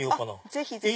ぜひぜひ！